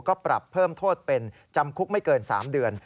ก็ปรับเพิ่มโทษเป็นจำคุกไม่เกิน๓เดือน